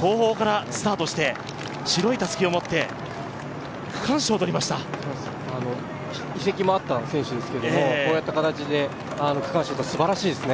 後方からスタートして、白いたすきを持って移籍もあった選手ですけどこうやった形で区間賞ってすばらしいですね。